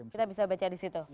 kita bisa baca di situ